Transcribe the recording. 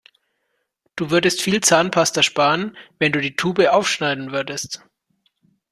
Du würdest viel Zahnpasta sparen, wenn du die Tube aufschneiden würdest.